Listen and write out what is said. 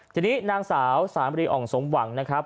ทีนี้นางสาวสามรีอ่องสมหวังนะครับ